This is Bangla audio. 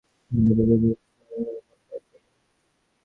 মুহূর্ত মধ্যে বিদ্যুৎবেগে রুক্মিণী জলে ঝাঁপাইয়া পড়িল।